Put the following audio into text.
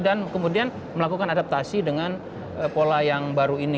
dan kemudian melakukan adaptasi dengan pola yang baru ini